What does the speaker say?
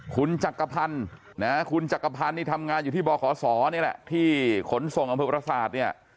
คุณจักรพรรณคุณจักรพรรณทำงานอยู่ที่บขศนี่แหละที่ขนส่งอำเภพพระศาสตร์